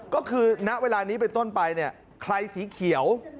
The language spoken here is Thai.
ก็คือณเวลานี้ไปต้นไปใครสีเขียว